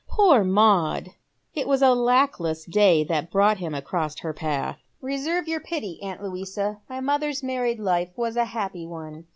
Poor Maud ! it was a luckless day that brought him across her path." " Reserve your pity, aunt Louisa. My mother's married life was a happy one.